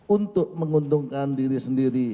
untuk menguntungkan diri sendiri